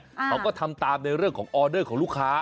เขาก็ทำตามในเรื่องของออเดอร์ของลูกค้า